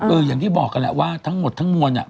อย่างที่บอกกันแหละว่าทั้งหมดทั้งมวลอ่ะ